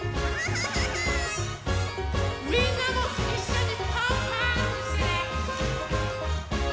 みんなもいっしょにパンパンってしてね！